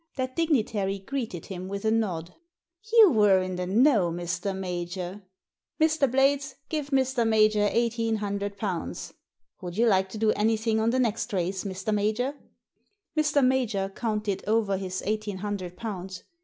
That dignitary greeted him with a nod. "You were in the know, Mr. Major. Mr. Blades, give Mr. Major eighteen hundred pounds. Would you like to do anything on the next race, Mr. Major?" Mr. Major counted over his eighteen hundred pounds.